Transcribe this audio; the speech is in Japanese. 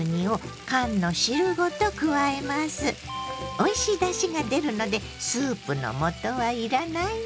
おいしいだしが出るのでスープの素はいらないの。